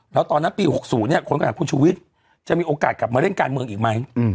แล้วตอนนั้นปี๖๐เนี่ยคนก็ถามคุณชูวิทย์จะมีโอกาสกลับมาเล่นการเมืองอีกไหม